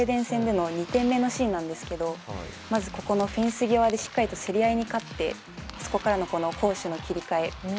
初戦のスウェーデン戦での２点目のシーンですけどここのフェンス際でしっかりと競り合いに勝ってそこからのこの攻守の切り替え